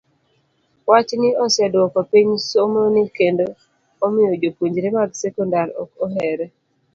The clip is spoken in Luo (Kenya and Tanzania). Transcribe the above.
Wachni oseduoko piny somoni kendo omiyo jopuonjre mag sekondar ok ohere.